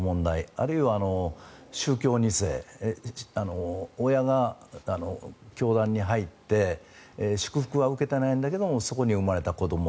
あるいは宗教２世親が教団に入って祝福は受けてないんだけどそこに生まれた子ども。